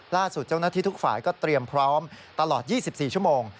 ล่าสุดเจ้าหน้าที่ทุกฝ่ายก็เตรียมพร้อมตลอด๒๔ชั่วโมง